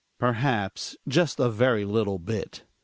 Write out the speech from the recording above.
Perhaps just a very little bit.